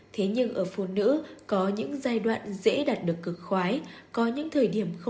thế nhưng ở phụ nữ có những giai đoạn dễ đạt được cực khoái